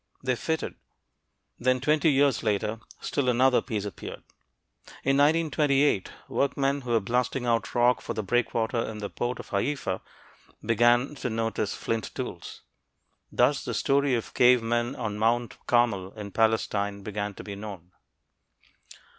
They fitted! Then, twenty years later, still another piece appeared. In 1928 workmen who were blasting out rock for the breakwater in the port of Haifa began to notice flint tools. Thus the story of cave men on Mount Carmel, in Palestine, began to be known.